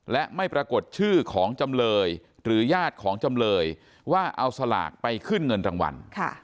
และไม่ปรากฏชื่อของจำเลยหรือญาติของจำเลยว่าเอาสลากไปขึ้นเงินรางวัล